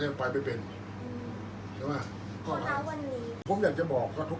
อันไหนที่มันไม่จริงแล้วอาจารย์อยากพูด